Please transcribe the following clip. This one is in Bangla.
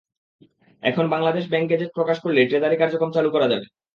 এখন বাংলাদেশ ব্যাংক গেজেট প্রকাশ করলেই ট্রেজারি কার্যক্রম চালু করা যাবে।